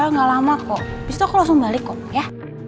nggak lama kok habis tuh aku langsung balik kok ya